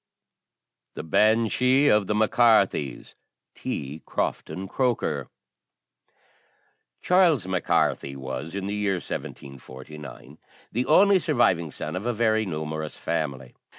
THE BANSHEE OF THE MAC CARTHYS. T. CROFTON CROKER. Charles Mac Carthy was, in the year 1749, the only surviving son of a very numerous family.